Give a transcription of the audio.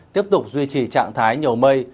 tiếp tục duy trì trạng thái nhầu mây